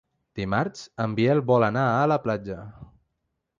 Dimarts en Biel vol anar a la platja.